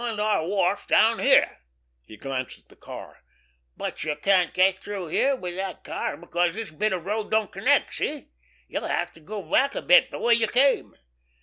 "The one beyond our wharf down here." He glanced at the car. "But you can't get through here with that car because this bit of road don't connect—see? You'll have to go back a bit the way you came."